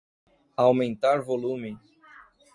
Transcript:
Aumentar volume